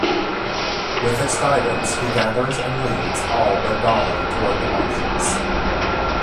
With its guidance, he gathers and leads all but Doli toward the Marshes.